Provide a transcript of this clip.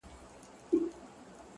يار ژوند او هغه سره خنـديږي؛